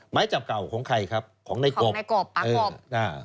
หมายจับเก่าของใครครับของในกบในกบปากอ่า